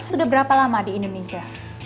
sudah berapa lama di indonesia